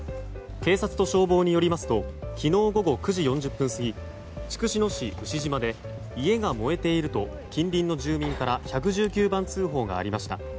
警察と消防によりますと昨日午後９時４０分過ぎ筑紫野市牛島で家が燃えていると近隣の住民から１１９番通報がありました。